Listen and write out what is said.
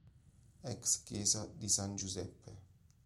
Ex chiesa di San Giuseppe